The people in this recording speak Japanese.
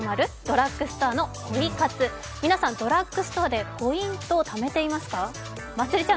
皆さん、ドラッグストアでポイント、ためていますか？